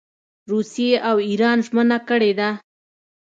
روسیې او اېران ژمنه کړې ده.